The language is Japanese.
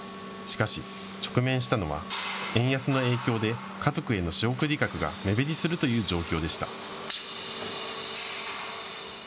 しかし直面したのは円安の影響で家族への仕送り額が目減りするという状況でした。